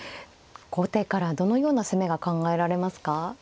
後手からどのような攻めが考えられますか？